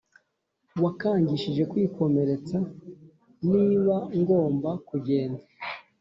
wakangishije kwikomeretsa niba ngomba kugenda.